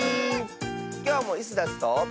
きょうもイスダスと。